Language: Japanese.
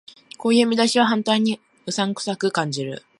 こういう見出しは反対にうさんくさく感じる